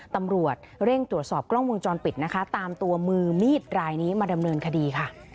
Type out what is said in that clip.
ตำรวจเร่งตรวจสอบกล้องวงจรปิดนะคะตามตัวมือมีดรายนี้มาดำเนินคดีค่ะ